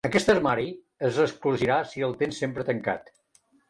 Aquest armari es resclosirà si el tens sempre tancat.